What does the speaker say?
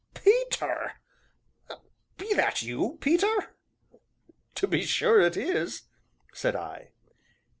"Peter be that you, Peter?" "To be sure it is," said I.